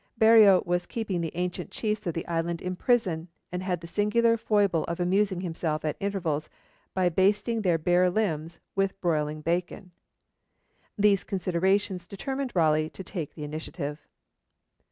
Berreo was keeping the ancient chiefs of the island in prison, and had the singular foible of amusing himself at intervals by basting their bare limbs with broiling bacon. These considerations determined Raleigh to take the initiative.